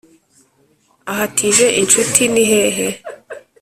ahatije inshuti ni hehe